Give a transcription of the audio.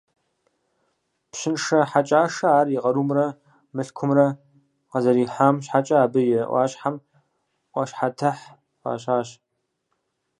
Пщыншэ Хьэкӏашэ ар и къарумрэ мылъкумрэ къызэрихьам щхьэкӏэ абы и ӏуащхьэм «ӏуащхьэтыхь» фӏащащ.